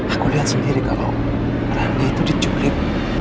aku lihat sendiri kalau remnya itu diculik